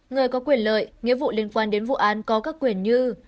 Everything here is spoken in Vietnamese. người có quyền lợi nghĩa vụ liên quan đến vụ án có các quyền như